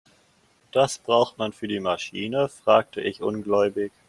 Das braucht man für die Maschine?, fragte ich ungläubig.